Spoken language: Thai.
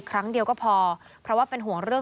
ครั้งเดียวก็พอเพราะว่าเป็นห่วงเรื่อง